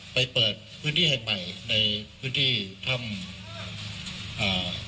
เปิดพื้นที่แห่งใหม่ในพื้นที่ถ้ำอ่า